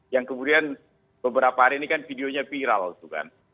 yang kemudian beberapa hari ini kan videonya viral itu kan